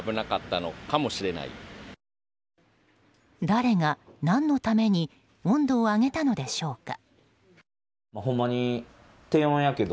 誰が、何のために温度を上げたのでしょうか。